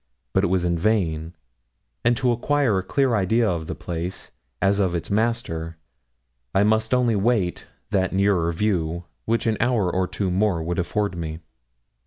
But it was vain, and to acquire a clear idea of the place, as of its master, I must only wait that nearer view which an hour or two more would afford me.